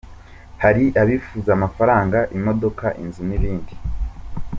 Hari abifuza amafaranga, imodoka, inzu n’ibindi